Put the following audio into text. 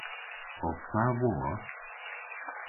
Os ta war?